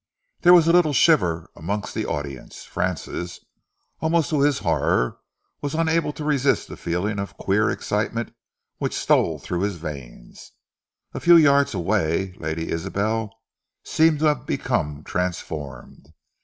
There was a little shiver amongst the audience. Francis, almost to his horror, was unable to resist the feeling of queer excitement which stole through his veins. A few yards away, Lady Isabel seemed to have become transformed.